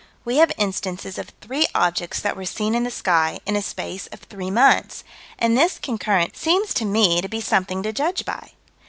We have instances of three objects that were seen in the sky in a space of three months, and this concurrence seems to me to be something to judge by.